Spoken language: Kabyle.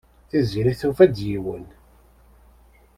Tiziri tufa-d yiwen.